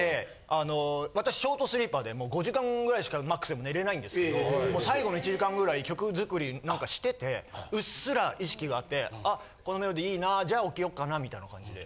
あの私ショートスリーパーでもう５時間ぐらいしかマックスでも寝れないんですけど最後の１時間ぐらい曲作りなんかしててうっすら意識があってあっこのメロディーいいなぁじゃあ起きようかなみたいな感じで。